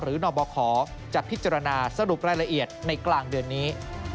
นบคจะพิจารณาสรุปรายละเอียดในกลางเดือนนี้